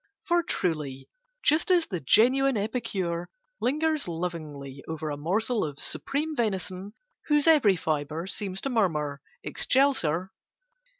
For truly, just as the genuine Epicure lingers lovingly over a morsel of supreme Venison—whose every fibre seems to murmur "Excelsior!"